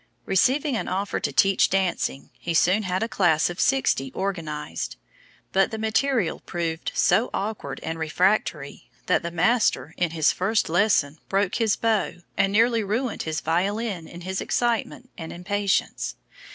Receiving an offer to teach dancing, he soon had a class of sixty organised. But the material proved so awkward and refractory that the master in his first lesson broke his bow and nearly ruined his violin in his excitement and impatience.